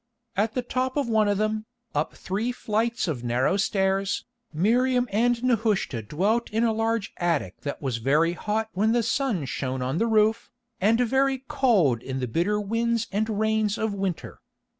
At the top of one of them, up three flights of narrow stairs, Miriam and Nehushta dwelt in a large attic that was very hot when the sun shone on the roof, and very cold in the bitter winds and rains of winter.